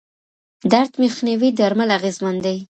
درد مخنیوي درمل اغېزمن دي.